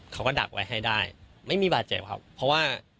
เขาก็ดักไว้ให้ได้ไม่มีบาดเจ็บครับเพราะว่า